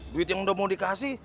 duit yang udah mau dikasih